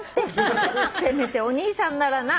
「せめてお兄さんならなぁ」